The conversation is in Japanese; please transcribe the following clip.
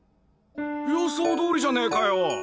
予想通りじゃねぇかよ！